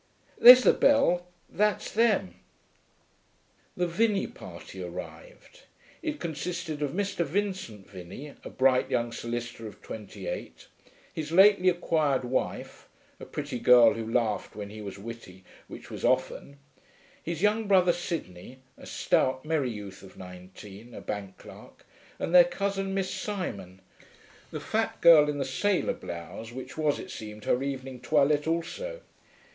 There's the bell; that's them.' The Vinney party arrived. It consisted of Mr. Vincent Vinney, a bright young solicitor of twenty eight; his lately acquired wife, a pretty girl who laughed when he was witty, which was often; his young brother Sidney, a stout, merry youth of nineteen, a bank clerk; and their cousin Miss Simon, the fat girl in the sailor blouse, which was, it seemed, her evening toilette also.